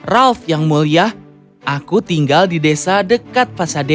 ralph yang mulia aku tinggal di desa dekat pasadena